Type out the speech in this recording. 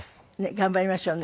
頑張りましょうね。